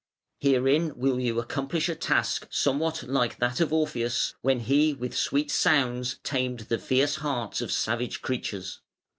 Herein will you accomplish a task somewhat like that of Orpheus, when he with sweet sounds tamed the fierce hearts of savage creatures.